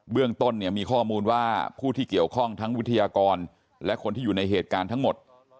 เรื่องต้นเนี่ยมีข้อมูลว่าผู้ที่เกี่ยวข้องทั้งวิทยากรและคนที่อยู่ในเหตุการณ์ทั้งหมด